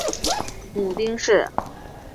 母丁氏。